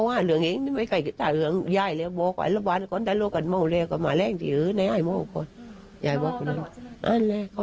มาเหลือแม่งส่วนใหญ่หรือเปล่า